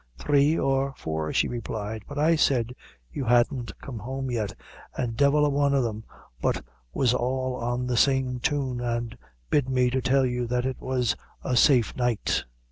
"Three or four," she replied; "but I said you hadn't come home yet; an' divil a one o' them but was all on the same tune, an' bid me to tell you that it was a safe night."